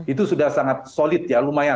itu sudah sangat solid ya lumayan